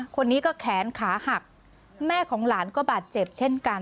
คนนี้ก็แขนขาหักแม่ของหลานก็บาดเจ็บเช่นกัน